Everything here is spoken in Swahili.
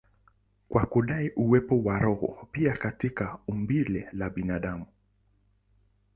kwa kudai uwepo wa roho pia katika umbile la binadamu.